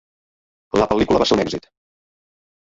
La pel·lícula va ser un èxit.